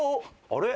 あれ？